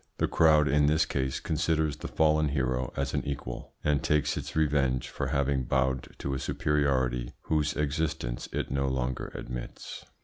The crowd in this case considers the fallen hero as an equal, and takes its revenge for having bowed to a superiority whose existence it no longer admits.